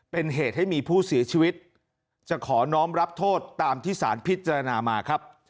เป็นเหตุให้มีผู้เสียชีวิตจะขอน้องรับโทษตามที่สารพิจารณามาครับ